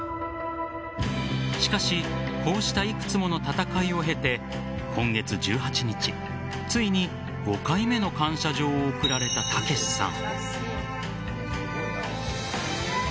しかしこうしたいくつもの戦いを経て今月１８日ついに５回目の感謝状を贈られた剛さん。